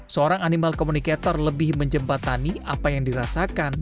seorang animal communicator lebih menjembatani apa yang dirasakan